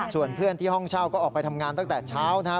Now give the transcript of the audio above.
ส่วนเพื่อนที่ห้องเช่าก็ออกไปทำงานตั้งแต่เช้านะครับ